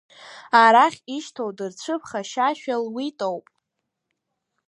Арахь ишьҭоу дырцәыԥхашьашәа луитоуп…